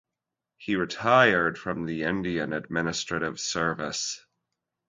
He retired from the Indian Administrative Service.